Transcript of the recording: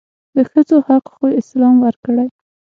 دښځو حق خواسلام ورکړي